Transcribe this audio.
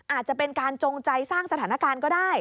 อาจจะเป็นการจงใจสร้างสถานการณ์ก็ได้